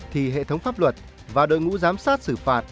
thì hệ thống pháp luật và đội ngũ giám sát xử phạt